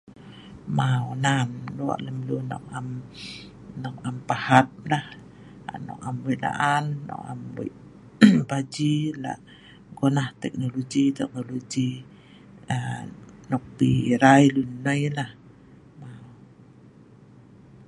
Maw nan lok lun nok am pahat nah, nok am wei laan ,nok am paji lak gunah teknologi -teknologi nok erai lun nnoi nah